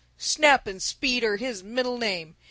Snap and speed are his middle name!